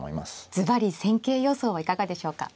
ずばり戦型予想はいかがでしょうか。